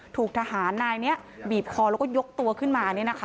ถูกทหารนายนี้บีบคอแล้วก็ยกตัวขึ้นมา